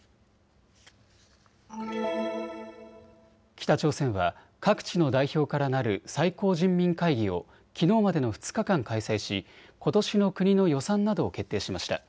北朝鮮は各地の代表からなる最高人民会議をきのうまでの２日間、開催し、ことしの国の予算などを決定しました。